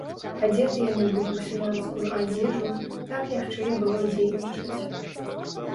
Адзеты яны былі ў сялянскую адзежу, так лягчэй было дзейнічаць.